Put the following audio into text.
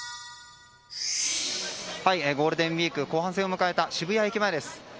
ゴールデンウィーク後半戦を迎えた渋谷駅前です。